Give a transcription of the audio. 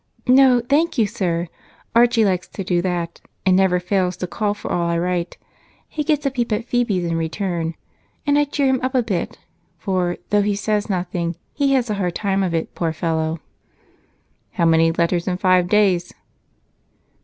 "No thank you, sir. Archie likes to do that, and never fails to call for all I write. He gets a peep at Phebe's in return and I cheer him up a bit, for, though he says nothing, he has a hard time of it, poor fellow." "How many letters in five days?"